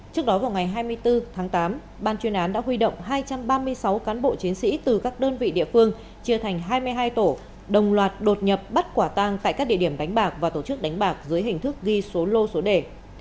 trước đó vào ngày hai mươi bốn tháng tám ban chuyên án đã huy động hai trăm ba mươi sáu cán bộ chiến sĩ từ các đơn vị địa phương chia thành hai mươi hai tổ đồng loạt đột nhập bắt quả tang tại các địa điểm đánh bạc và tổ chức đánh bạc dưới hình thức ghi số lô số đề